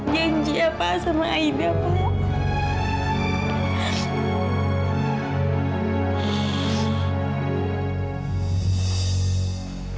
janji ya pak sama aida pak